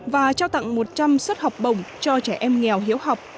và trao tặng một trăm linh suất học bổng cho trẻ em nghèo hiếu học